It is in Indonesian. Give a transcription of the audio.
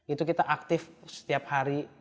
itu kita aktif setiap hari